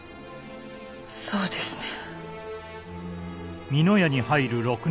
そうですね。